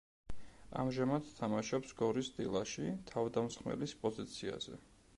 ამჟამად თამაშობს გორის დილაში, თავდამსხმელის პოზიციაზე.